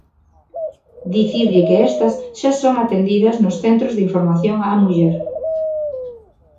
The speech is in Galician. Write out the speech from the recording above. Dicirlle que estas xa son atendidas nos centros de información á muller.